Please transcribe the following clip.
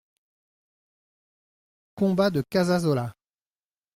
Combat de Casasola.